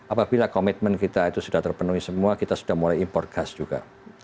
apabila komitmen kita itu sudah terpenuhi semua kita sudah mulai impor gas juga